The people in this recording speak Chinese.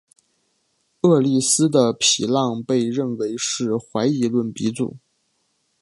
厄利斯的皮浪被认为是怀疑论鼻祖。